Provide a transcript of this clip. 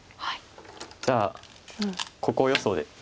じゃあここ予想で。